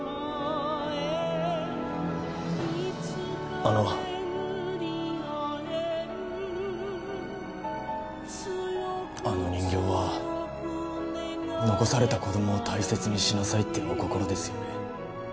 あのあの人形は残された子供を大切にしなさいってお心ですよね